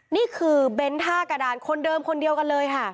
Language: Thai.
นี่คือเบนท์ท่ากระดานคนเดิมคนเดียวกันเลยค่ะ